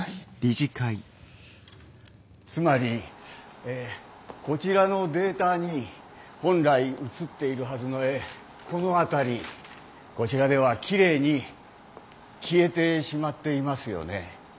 つまりこちらのデータに本来映っているはずのこの辺りこちらではきれいに消えてしまっていますよね。